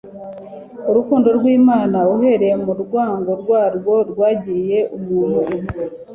Urukuudo rw'Imana uhereye mu ruango yarwo rwagiriye umuntu impuhwe